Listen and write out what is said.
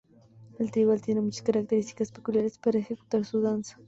El tribal tiene muchas características peculiares para ejecutar su danza.